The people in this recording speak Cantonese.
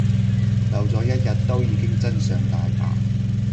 留咗一日都已經真相大白